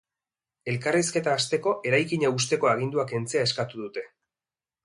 Elkarrizketa hasteko eraikina husteko agindua kentzea eskatu dute.